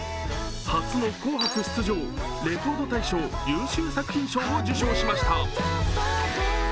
初の「紅白」出場、レコード大賞優秀作品賞を受賞しました。